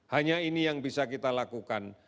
hanya ini yang bisa kita lakukan